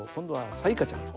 彩加ちゃん。